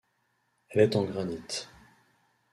Elle est en granite.